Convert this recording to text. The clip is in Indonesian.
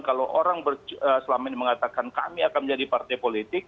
kalau orang selama ini mengatakan kami akan menjadi partai politik